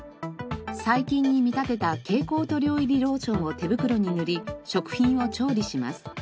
細菌に見立てた蛍光塗料入りローションを手袋に塗り食品を調理します。